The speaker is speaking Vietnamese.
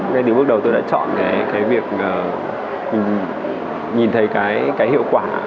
ngay từ bước đầu tôi đã chọn cái việc nhìn thấy cái hiệu quả